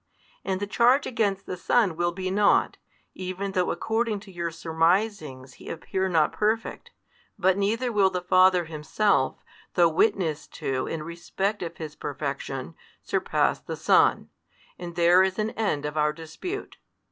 And the charge against the Son will be nought, even though according to your surmisings He appear not Perfect: but neither will the Father Himself, though witnessed to in respect of His Perfection, surpass the Son, and there is an end of our dispute.